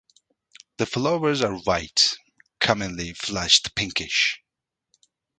The flowers are white, commonly flushed pinkish.